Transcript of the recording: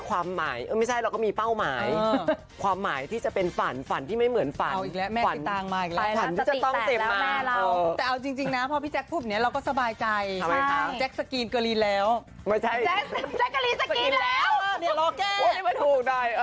คนรักคือน้องยังโสดอยู่